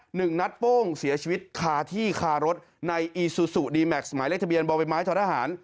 หนึ่งนัดโป้งเสียชีวิตคาที่คารถในอีซูซูดีแม็กซ์หมายเลขทะเบียนบ่อใบไม้ท้อทหาร